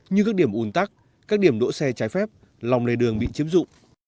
như các điểm ủn tắc các điểm đỗ xe trái phép lòng lề đường bị chiếm dụng